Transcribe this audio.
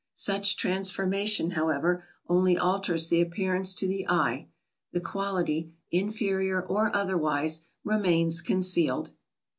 Such transformation, however, only alters the appearance to the eye; the quality, inferior or otherwise, remains concealed.